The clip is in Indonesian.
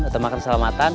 untuk makan keselamatan